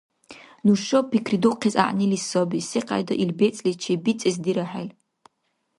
Нушаб пикридухъес гӀягӀнили саби секьяйда ил бецӀлис чеббицӀес дирахӀел.